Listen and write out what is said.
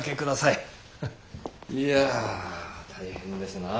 いや大変ですなあ。